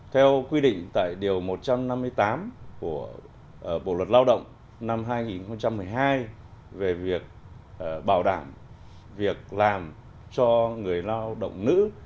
theo quy định tại điều một trăm năm mươi tám của bộ luật lao động năm hai nghìn một mươi hai về việc bảo đảm việc làm cho người lao động nữ